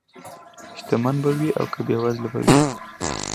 شتمن به وي او که بېوزله به وي.